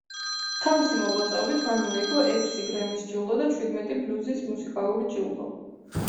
თავისი მოღვაწეობით მან მოიგო ექვსი გრემის ჯილდო და ჩვიდმეტი ბლუზის მუსიკალური ჯილდო.